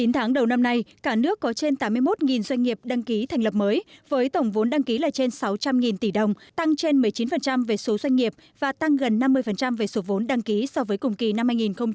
chín tháng đầu năm nay cả nước có trên tám mươi một doanh nghiệp đăng ký thành lập mới với tổng vốn đăng ký là trên sáu trăm linh tỷ đồng tăng trên một mươi chín về số doanh nghiệp và tăng gần năm mươi về số vốn đăng ký so với cùng kỳ năm hai nghìn một mươi chín